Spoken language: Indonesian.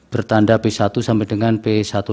bertanda p satu sampai dengan p satu ratus lima puluh enam